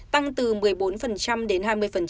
tăng từ một mươi bốn đến hai mươi